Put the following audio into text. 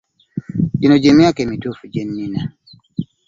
Gino gye myaka emituufu gye nnina.